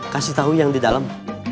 kasih tahu yang di dalam